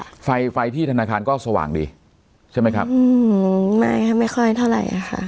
ใช่ค่ะไฟที่ธนาคารก็สว่างดีใช่ไหมครับไม่ค่อยเท่าไหร่ค่ะ